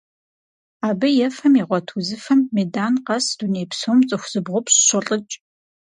Абы ефэм игъуэт узыфэм медан къэс дуней псом цӀыху зыбгъупщӀ щолӀыкӀ.